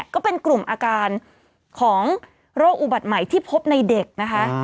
ก็เป็นกลุ่มอาการของโรคอุบัติใหม่ที่พบในเด็กนะคะ